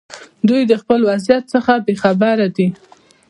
دوی د خپل وضعیت څخه بې خبره دي.